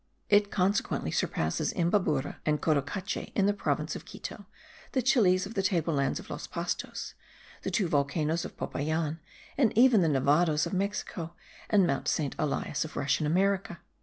It consequently surpasses Imbabura and Cotocache in the province of Quito, the Chiles of the table lands of Los Pastos, the two volcanoes of Popayan and even the Nevados of Mexico and Mount Saint Elias of Russian America.